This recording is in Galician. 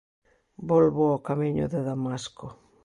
Volvo ao camiño de Damasco.